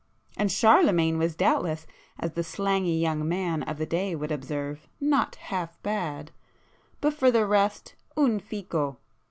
And Charlemagne was doubtless, as the slangy young man of the day would observe, 'not half bad.' But for the rest,—un fico!